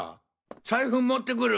財布持ってくる！